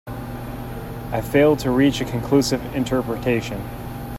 I failed to reach a conclusive interpretation.